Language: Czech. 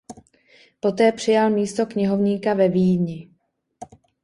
Poté přijal místo knihovníka ve Vídni.